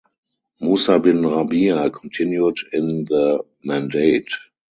Musa bin Rabia continued in the mandate.